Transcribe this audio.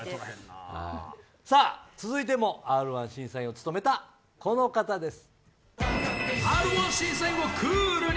続いても、Ｒ−１審査員を務めた、この方です。